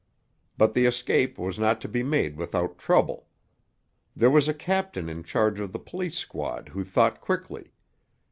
But the escape was not to be made without trouble. There was a captain in charge of the police squad who thought quickly.